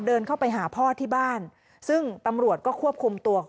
เดินเข้าไปหาพ่อที่บ้านซึ่งตำรวจก็ควบคุมตัว